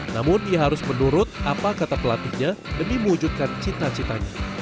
namun dia harus menurut apa kata pelatihnya demi mewujudkan cita citanya